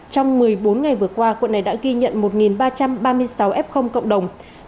trong một mươi bốn ngày vừa qua quận này đã ghi nhận một ba trăm ba mươi sáu f cộng đồng